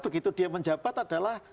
begitu dia menjabat adalah